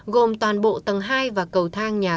gồm toàn bộ tầng hai và cầu thang nhà